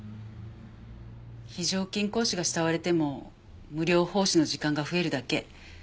非常勤講師が慕われても無料奉仕の時間が増えるだけ。